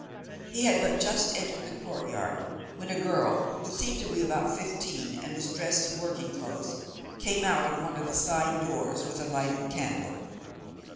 He had but just entered the courtyard, when a girl, who seemed to be about fifteen, and was dressed in working clothes, came out of one of the side doors with a lighted candle.